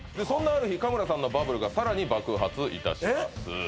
そんなある日加村さんのバブルがさらに爆発いたします